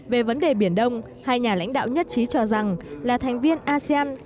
về vấn đề biển đông hai nhà lãnh đạo nhất trí cho rằng là thành viên asean